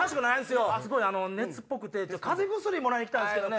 すごい熱っぽくて風邪薬もらいに来たんすけどね。